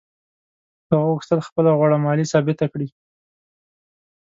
هغه غوښتل خپله غوړه مالي ثابته کړي.